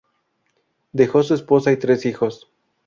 Dejó esposa y tres hijos.